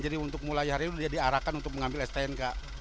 jadi untuk mulai hari ini sudah diarahkan untuk mengambil stnk